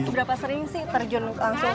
berapa sering sih terjun langsung